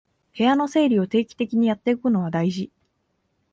部屋の整理を定期的にやっておくのは大事